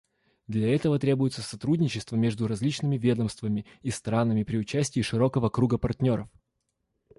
Для этого требуется сотрудничество между различными ведомствами и странами при участии широкого круга партнеров.